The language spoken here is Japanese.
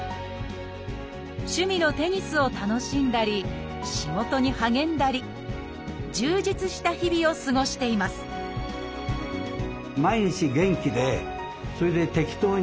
趣味のテニスを楽しんだり仕事に励んだり充実した日々を過ごしていますそれが一番いいですよ